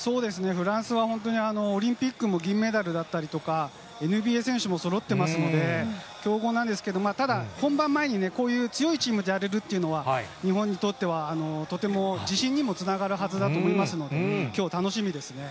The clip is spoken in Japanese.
フランスは本当に、オリンピックも銀メダルだったりとか、ＮＢＡ選手もそろっていますので、強豪なんですけど、ただ、本番前にこういう強いチームとやれるというのは、日本にとってはとても自信にもつながるはずだと思いますのでね、きょう、楽しみですね。